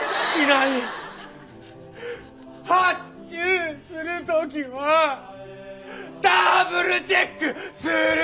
発注する時はダブルチェックする？